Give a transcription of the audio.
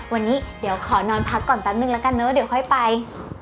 วันนี้เดี๋ยวขอนอนพักก่อนแป๊บนึงแล้วกันเนอะเดี๋ยวค่อยไป